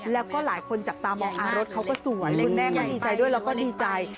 แล้วก็หลายคนจับตามองอารสเขาก็สวยคุณแม่ก็ดีใจด้วยแล้วก็ดีใจ